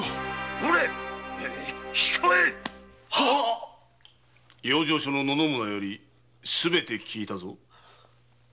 ⁉これ控えい養生所の野々村よりすべて聞いたぞ。